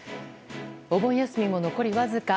お盆休みも残りわずか。